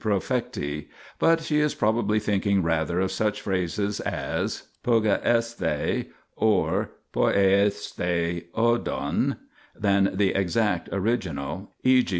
profecti), but she is probably thinking rather of such phrases as nvQeveodai or noielodai odov than of the exact original : e.g.